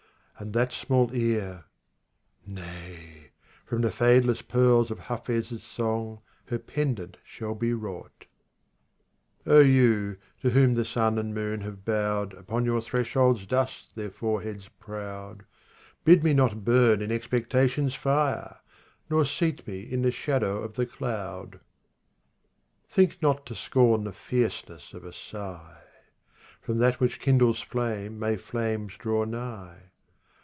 And that small ear â Nay ! from the fadeless pearls Of Hafiz' song her pendant shall be wrought. RUBA'IYAT OF HAFIZ 43 16 you, to whom the sun and moon have bowed Upon your threshold's dust their foreheads proud, Bid me not burn in expectation's fire ! Nor seat me in the shadow of the cloud I 17 Think not to scorn the fierceness of a sigh. From that which kindles flame may flames draw nigh.